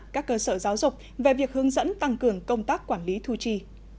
các cơ sở giáo dục về việc hướng dẫn tăng cường công tác quản lý thu chi